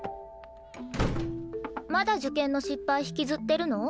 まだ受験の失敗引きずってるの？